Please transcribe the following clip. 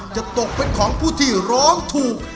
จะตกเป็นของผู้ที่ร้องถูก